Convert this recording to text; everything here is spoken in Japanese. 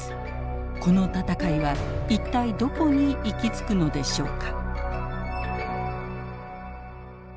この戦いは一体どこに行き着くのでしょうか。